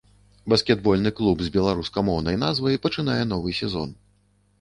Баскетбольны клуб з беларускамоўнай назвай пачынае новы сезон.